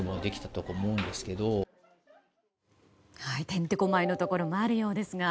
てんてこまいのところもあるようですが。